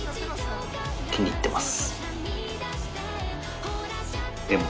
気に入ってます。